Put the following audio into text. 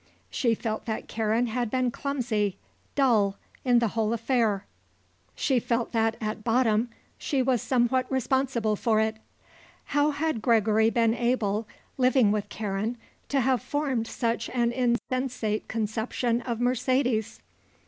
She felt that Karen had been clumsy, dull, in the whole affair. She felt that, at bottom, she was somewhat responsible for it. How had Gregory been able, living with Karen, to have formed such an insensate conception of Mercedes?